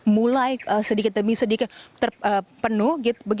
mulai sedikit demi sedikit terpenuh